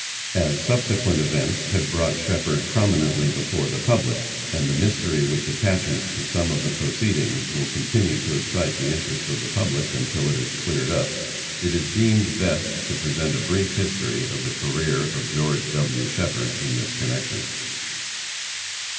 As subsequent events have brought Shepherd prominently before the public, and the mystery which attaches to some of the proceedings will continue to excite the interest of the public until it is cleared up, it is deemed best to present a brief history of the career of George W. Shepherd in this connection.